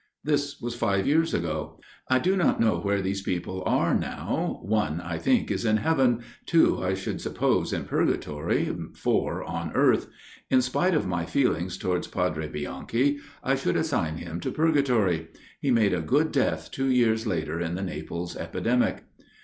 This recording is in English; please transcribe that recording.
This was five years ago. I do not know where these people are now; one I think is in heaven, two I should suppose in purgatory, four on earth. In spite of my feelings towards Padre Bianchi, I should assign him to purgatory. He made a good death two years later in the Naples epidemic.